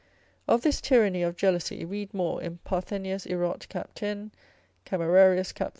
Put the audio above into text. Of this tyranny of jealousy read more in Parthenius Erot. cap. 10. Camerarius cap.